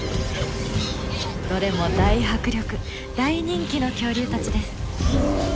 どれも大迫力大人気の恐竜たちです。